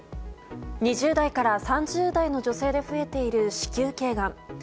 ２０代から３０代の女性で増えている子宮頸がん。